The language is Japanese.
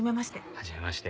はじめまして。